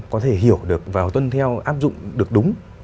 có thể hiểu được và tuân theo áp dụng được đúng